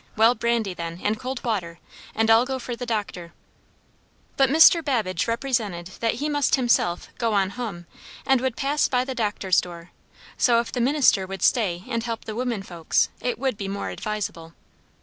Well, brandy, then, and cold water; and I'll go for the doctor." But Mr. Babbage represented that he must himself 'go on hum,' and would pass by the doctor's door; so if the minister would stay and help the women folks, it would be more advisable.